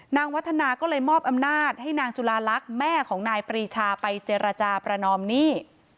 วัฒนาก็เลยมอบอำนาจให้นางจุลาลักษณ์แม่ของนายปรีชาไปเจรจาประนอมหนี้